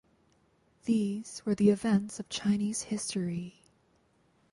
These were the events of Chinese history.